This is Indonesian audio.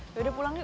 yaudah pulang ya